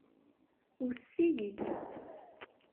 Wwtet-iyi.